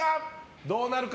どうなるか？